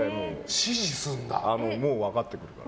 もう分かっているから。